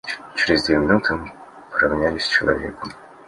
Через две минуты мы поровнялись с человеком.